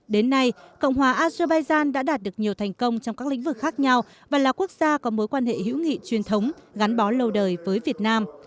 đến nay cộng hòa azerbaijan đã đạt được nhiều thành công trong các lĩnh vực khác nhau và là quốc gia có mối quan hệ hữu nghị truyền thống gắn bó lâu đời với việt nam